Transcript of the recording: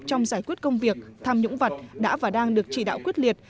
trong giải quyết công việc tham nhũng vật đã và đang được chỉ đạo quyết liệt